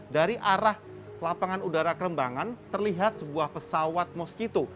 dari arah lapangan udara kelembangan terlihat sebuah pesawat mosquito